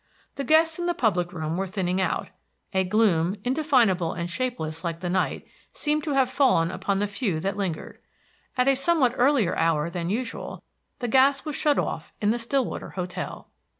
The guests in the public room were thinning out; a gloom, indefinable and shapeless like the night, seemed to have fallen upon the few that lingered. At a somewhat earlier hour than usual the gas was shut off in the Stillwater hotel.